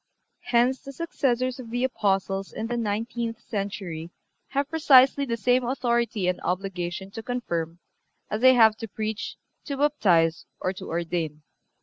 Hence the successors of the Apostles in the nineteenth century have precisely the same authority and obligation to confirm as they have to preach, to baptize or to ordain.